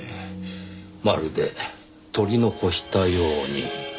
まるで取り残したように。